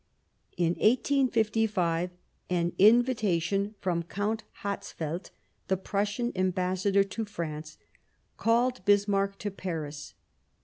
In 1855 an invitation from Count Hatzfeld, the Prussian Ambassador to France, called Bismarck to Paris.